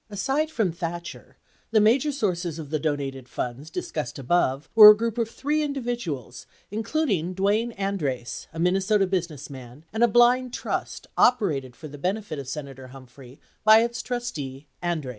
Aside from Thatcher, the major sources of the donated funds discussed • above were a group of three individuals, including Dwayne Andreas, a Minnesota businessman, and a "blind trust" operated for the benefit of Senator Humphrey by its trustee, Andreas.